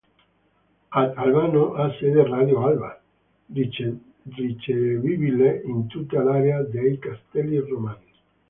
Ad Albano ha sede radio Alba, ricevibile in tutta l'area dei Castelli Romani.